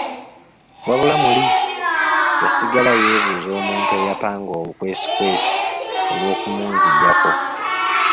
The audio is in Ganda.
Wabula muli yasigala yeebuuza omuntu eyapanga olukwesikwesi olwokumunzigyako.